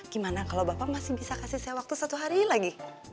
gimana kalau bapak masih bisa kasih saya waktu satu hari lagi